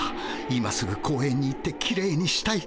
今すぐ公園に行ってきれいにしたい。